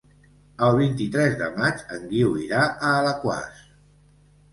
El vint-i-tres de maig en Guiu irà a Alaquàs.